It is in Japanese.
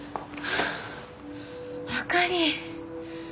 あかり。